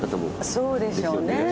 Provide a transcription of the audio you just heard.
そうでしょうね。